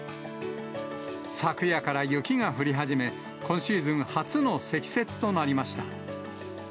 昨夜から雪が降り始め、今シーズン初の積雪となりました。